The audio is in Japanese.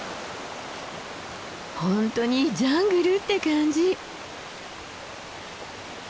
本当にジャングルって感じ。